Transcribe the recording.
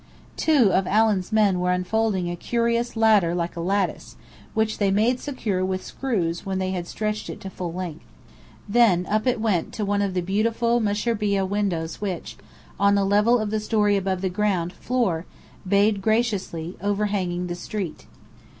Two of Allen's men were unfolding a curious ladder like a lattice, which they made secure with screws when they had stretched it to full length. Then, up it went to one of the beautiful mushrbiyeh windows which, on the level of the story above the ground floor, bayed graciously, overhanging the street.